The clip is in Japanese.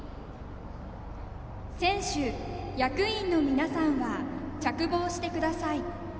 選手・役員の皆さんは着帽してください。